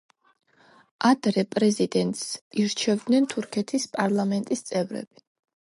ადრე, პრეზიდენტს ირჩევდნენ თურქეთის პარლამენტის წევრები.